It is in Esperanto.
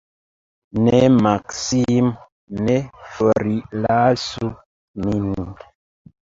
Ne, Maksimo, ne forlasu nin.